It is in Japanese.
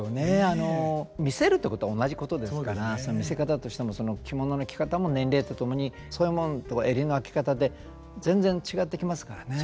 あの見せるっていうことは同じことですから見せ方としてもその着物の着方も年齢とともに襟の開け方で全然違ってきますからね。